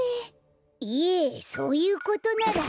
いえそういうことなら。